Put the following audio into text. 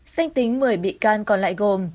xanh tính một mươi bị can còn lại gồm